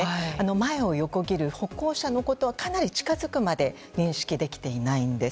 前を横切る歩行者のことはかなり近づくまで認識できていないんです。